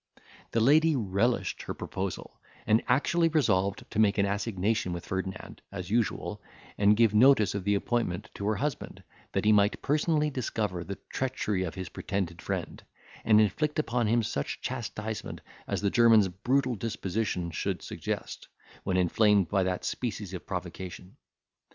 The lady relished her proposal, and actually resolved to make an assignation with Ferdinand, as usual, and give notice of the appointment to her husband, that he might personally discover the treachery of his pretended friend, and inflict upon him such chastisement as the German's brutal disposition should suggest, when inflamed by that species of provocation.